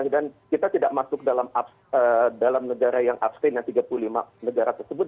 dan kita tidak masuk dalam negara yang abstain yang tiga puluh lima negara tersebut